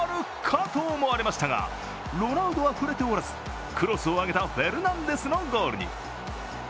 かと思われましたが、ロナウドは触れておらずクロスを上げたフェルナンデスのゴールに。